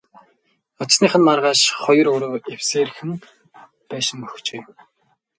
Очсоных нь маргааш хоёр өрөө эвсээрхэн байшин өгчээ.